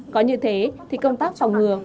có như thế thì công tác phòng ngừa